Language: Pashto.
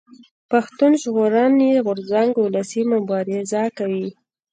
پښتون ژغورني غورځنګ اولسي مبارزه کوي